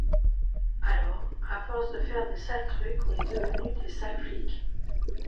Alors à force de faire des sales trucs, on est devenu des sales flics.